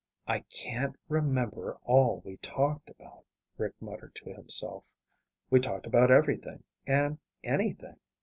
"I can't remember all we talked about," Rick muttered to himself. "We talked about everything and anything.